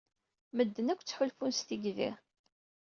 Medden akk ttḥulfun s tigdi.